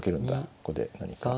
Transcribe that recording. ここで何か。